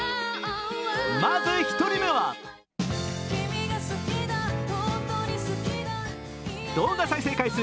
まず１人目は動画再生回数